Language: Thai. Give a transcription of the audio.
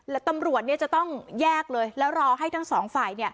แล้วตำรวจจะต้องแยกเลยแล้วรอให้ทั้งสองฝ่าย